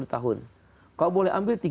tiga puluh tahun kamu boleh ambil